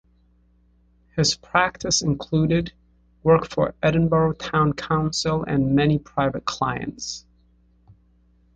His practice included work for Edinburgh town council and many private clients.